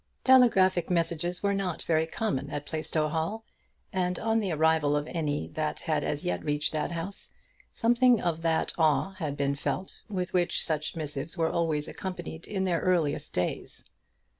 Telegraphic messages were not very common at Plaistow Hall, and on the arrival of any that had as yet reached that house, something of that awe had been felt with which such missives were always accompanied in their earliest days.